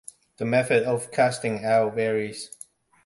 The method of casting out varies.